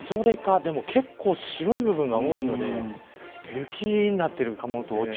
でも、結構白い部分が多いので雪になっているかもしれません。